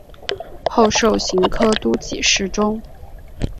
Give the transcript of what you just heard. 后授刑科都给事中。